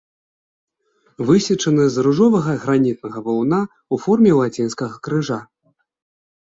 Высечаны з ружовага гранітнага валуна ў форме лацінскага крыжа.